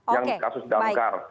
yang kasus damkar